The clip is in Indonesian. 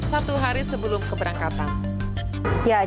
satu hari sebelum keberangkatan